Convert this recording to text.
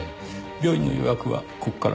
病院の予約はここから？